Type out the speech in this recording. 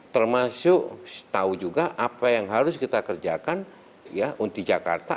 termasuk tahu juga apa yang harus kita kerjakan untuk jakarta